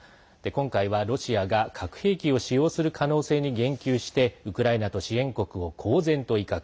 今回はロシアが核兵器を使用する可能性に言及してウクライナと支援国を公然と威嚇。